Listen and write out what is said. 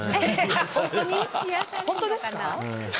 本当ですか？